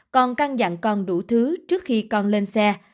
còn căng dặn con đủ thứ trước khi con lên xe